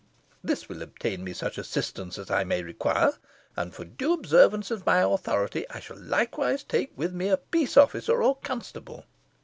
This will obtain me such assistance as I may require, and for due observance of my authority. I shall likewise take with me a peace officer, or constable."